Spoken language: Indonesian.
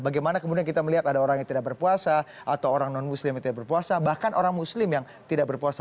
bagaimana kemudian kita melihat ada orang yang tidak berpuasa atau orang non muslim yang tidak berpuasa bahkan orang muslim yang tidak berpuasa